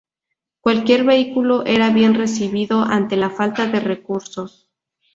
Cualquier vehículo era bien recibido ante la falta de recursos.